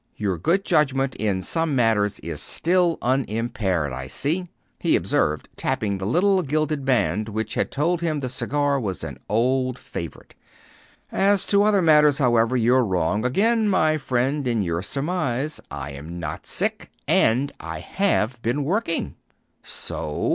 "Your good judgment in some matters is still unimpaired, I see," he observed, tapping the little gilded band which had told him the cigar was an old favorite. "As to other matters, however, you're wrong again, my friend, in your surmise. I am not sick, and I have been working." "So?